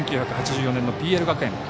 １９８４年のＰＬ学園。